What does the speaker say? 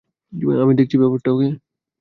আমি দেখছি ব্যাপারটা, ওকে।